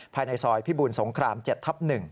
ภายในซอยพิบูลสงคราม๗ทับ๑